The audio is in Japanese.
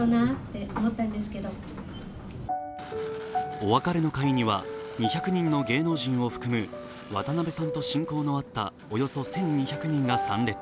お別れの会には２００人の芸能人を含む渡辺さんと親交のあったおよそ１２００人が参列。